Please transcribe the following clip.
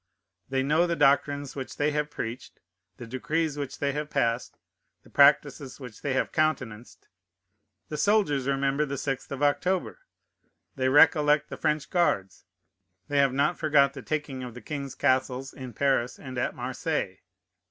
They know the doctrines which they have preached, the decrees which they have passed, the practices which they have countenanced. The soldiers remember the sixth of October. They recollect the French guards. They have not forgot the taking of the king's castles in Paris and at Marseilles.